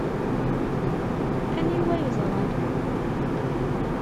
Aniwa yeẓran?